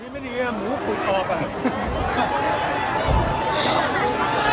นี่ไม่ดีอะหมูขุดออกแหละ